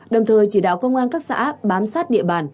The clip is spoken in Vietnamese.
đồng thời chỉ đạo công an các xã bám sát địa bàn